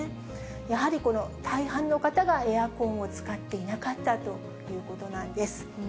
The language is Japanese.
やはりこの大半の方がエアコンを使っていなかったということなんです。